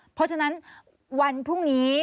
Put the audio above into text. เพราะฉะนั้นวันพรุ่งนี้